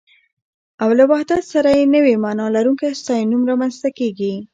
او له وحدت سره يې نوې مانا لرونکی ستاينوم رامنځته کېږي